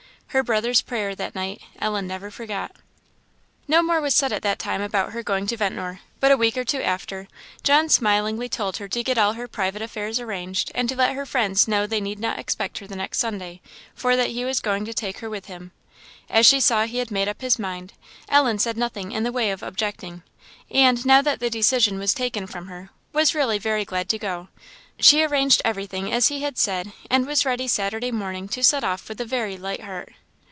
Her brother's prayer that night Ellen never forgot. No more was said at that time about her going to Ventnor. But a week or two after, John smilingly told her to get all her private affairs arranged, and to let her friends know they need not expect to see her the next Sunday, for that he was going to take her with him. As she saw he had made up his mind, Ellen said nothing in the way of objecting, and, now that the decision was taken from her, was really very glad to go. She arranged everything, as he had said; and was ready Saturday morning to set off with a very light heart.